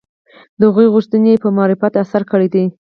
د هغوی غوښتنې پر معرفت اثر کړی دی